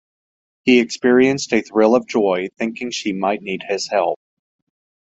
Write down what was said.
He experienced a thrill of joy, thinking she might need his help.